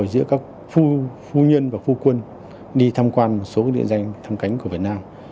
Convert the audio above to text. giữa các phu nhân và phu quân đi tham quan một số địa danh thăm cánh của việt nam